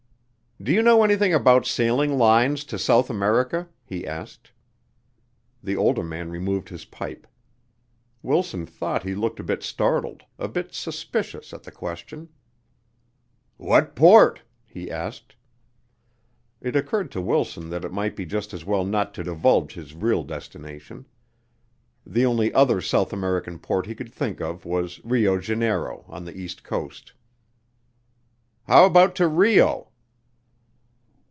"Do you know anything about sailing lines to South America?" he asked. The older man removed his pipe. Wilson thought he looked a bit startled a bit suspicious at the question. "What port?" he asked. It occurred to Wilson that it might be just as well not to divulge his real destination. The only other South American port he could think of was Rio Janeiro, on the east coast. "How about to Rio?"